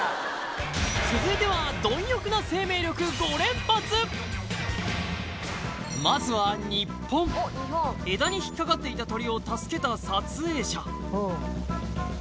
続いてはまずは枝に引っかかっていた鳥を助けた撮影者